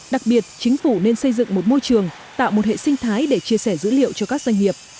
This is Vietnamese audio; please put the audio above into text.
đặc biệt chính phủ nên xây dựng một môi trường tạo một hệ sinh thái để chia sẻ dữ liệu cho các doanh nghiệp